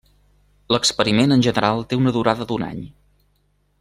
L'experiment en general té una durada d'un any.